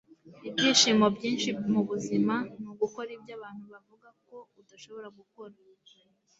ibyishimo byinshi mubuzima ni ugukora ibyo abantu bavuga ko udashobora gukora